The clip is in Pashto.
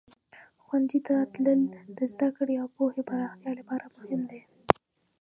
ښوونځي ته تلل د زده کړې او پوهې پراختیا لپاره مهم دی.